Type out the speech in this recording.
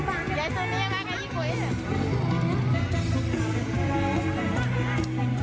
ความชาญจะหายมาแล้ว